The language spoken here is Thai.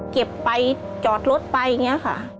เก็บไปจอดรถไปอย่างนี้ค่ะ